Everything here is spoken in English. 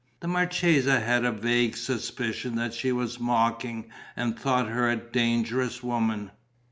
The marchesa had a vague suspicion that she was mocking and thought her a dangerous woman.